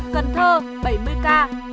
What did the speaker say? cần thơ bảy mươi ca